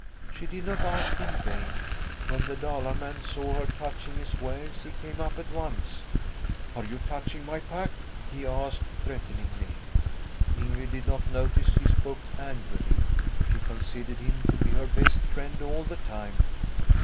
She did not ask in vain. When the Dalar man saw her touching his wares he came up at once. ' Are you touching my pack ?' he asked threat eningly. Ingrid did not notice that he spoke angrily; she considered him to be her best friend all the time.